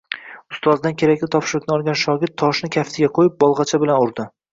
Ustozidan kerakli topshiriqni olgan shogird toshni kaftiga qoʻyib, bolgʻacha bilan urdi